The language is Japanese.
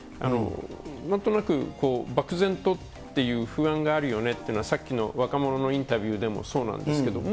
なんとなく、漠然とっていう不安があるよねっていうのは、さっきの若者のインタビューでも、そうなんですけども。